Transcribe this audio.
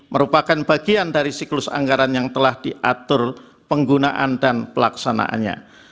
merupakan bagian dari siklus anggaran yang telah diatur penggunaan dan pelaksanaannya